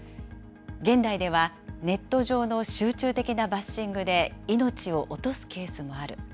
現代ではネット上の集中的なバッシングで命を落とすケースもある。